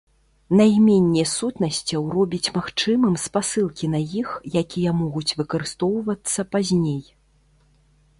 Найменне сутнасцяў робіць магчымым спасылкі на іх, якія могуць выкарыстоўвацца пазней.